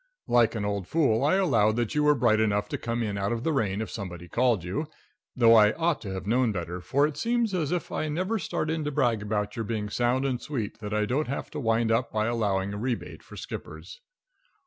Like an old fool, I allowed that you were bright enough to come in out of the rain if somebody called you, though I ought to have known better, for it seems as if I never start in to brag about your being sound and sweet that I don't have to wind up by allowing a rebate for skippers.